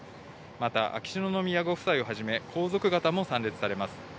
また秋篠宮ご夫妻をはじめ、皇族方も参列されます。